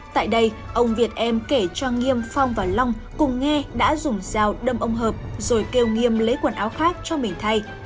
tại đây ông việt em kể cho nghiêm phong và long cùng nghe đã dùng dao đâm ông hợp rồi kêu nghiêm lấy quần áo khác cho mình thay